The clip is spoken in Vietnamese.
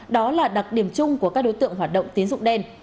đó là đặc điểm chung của các đối tượng hoạt động tiến dụng đen